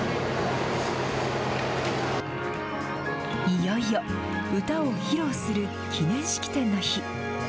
いよいよ、歌を披露する記念式典の日。